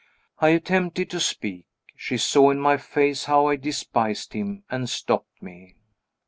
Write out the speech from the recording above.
I attempted to speak. She saw in my face how I despised him, and stopped me.